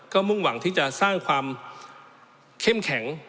ก็มุ่งหวังที่จะสร้างความเข้มแข็ง